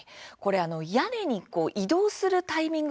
屋根に移動するタイミング